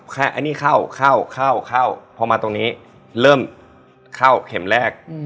ไกลไปนู่นเลยอะ